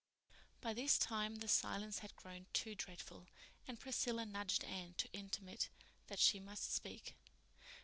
By this time the silence had grown too dreadful, and Priscilla nudged Anne to intimate that she must speak.